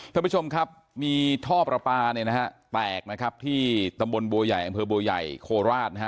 ท่านผู้ชมครับมีท่อประปาเนี่ยนะฮะแตกนะครับที่ตำบลบัวใหญ่อำเภอบัวใหญ่โคราชนะฮะ